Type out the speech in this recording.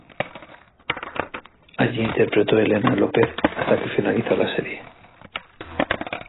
Allí interpretó a Helena López hasta que finalizó la serie.